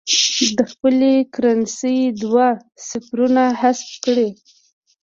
د خپلې کرنسۍ دوه صفرونه حذف کړي.